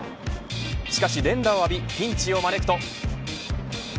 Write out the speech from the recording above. しかし連打を浴びピンチを招くと。